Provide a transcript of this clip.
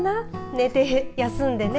寝て休んでね。